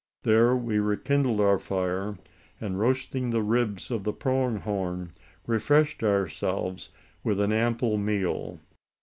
There we rekindled our fire and roasting the ribs of the prong horn, refreshed ourselves with an ample meal.